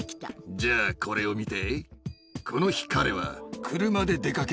じゃあこれを見て。